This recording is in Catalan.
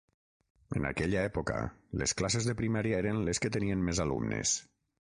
En aquella època, les classes de primària eren les que tenien més alumnes.